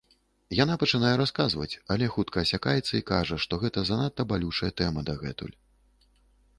Яна пачынае расказваць, але хутка асякаецца і кажа, што гэта занадта балючая тэма дагэтуль.